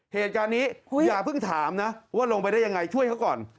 เหตุการณ์นี้อย่าเพิ่งถามนะว่าลงไปได้ยังไงช่วยเขาก่อน